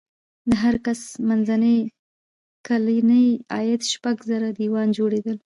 د هر کس منځنی کلنی عاید شپږ زره یوان جوړېدل.